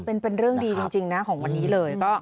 เป็นเรื่องดีจริงนะของวันนี้เลย